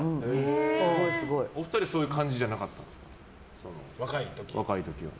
お二人、そういう感じじゃなかったんですか若い時は。